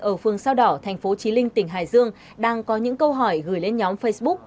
ở phương sao đỏ thành phố trí linh tỉnh hải dương đang có những câu hỏi gửi lên nhóm facebook